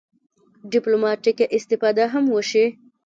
ډیپلوماټیکه استفاده هم وشي.